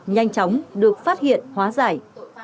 nhanh chóng được phát hiện hóa giải